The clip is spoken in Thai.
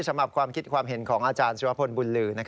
สำหรับความคิดความเห็นของอาจารย์สิวพลบุญลือ